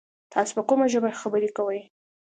تاسو په کومه ژبه خبري کوی ؟